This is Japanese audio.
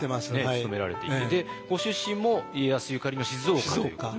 務められていてでご出身も家康ゆかりの静岡ということで。